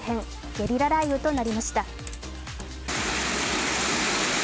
ゲリラ雷雨となりました。